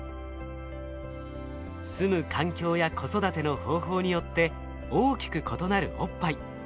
住む環境や子育ての方法によって大きく異なるおっぱい。